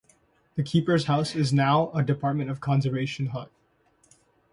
The keeper's house is now a Department of Conservation hut.